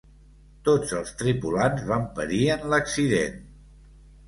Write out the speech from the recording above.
Tots els tripulants van perir en l'accident.